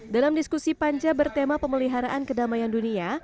dalam diskusi panca bertema pemeliharaan kedamaian dunia